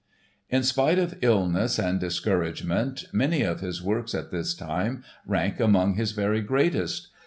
In spite of illness and discouragement many of his works at this time rank among his very greatest.